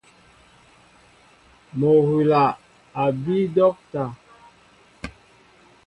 Mol hula a bii docta.